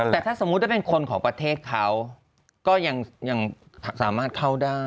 แต่ถ้าสมมุติถ้าเป็นคนของประเทศเขาก็ยังสามารถเข้าได้